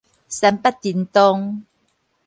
三八叮咚